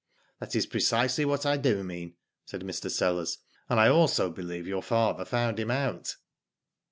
"That is precisely what I do mean," said Mr. Sellers. "And I also believe your father found him out.